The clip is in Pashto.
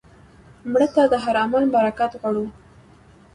مړه ته د هر عمل برکت غواړو